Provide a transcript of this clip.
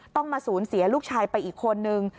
ต้องมาสูญเสียลูกชายไปอีกคนนึง